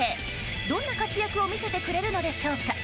どんな活躍を見せてくれるのでしょうか。